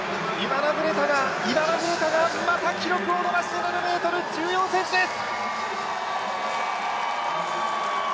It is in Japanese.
イバナ・ブレタがまた記録を伸ばして７ｍ１４ｃｍです。